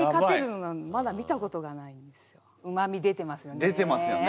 うまみ出てますよね。